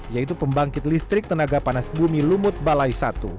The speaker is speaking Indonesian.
yaitu pembangkit listrik tenaga panas bumi lumut balai satu